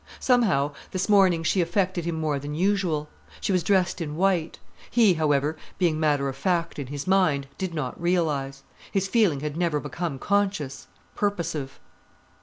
Somehow, this morning, she affected him more than usual. She was dressed in white. He, however, being matter of fact in his mind, did not realize. His feeling had never become conscious, purposive.